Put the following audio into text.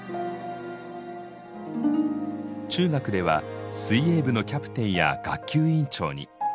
中学では水泳部のキャプテンや学級委員長に。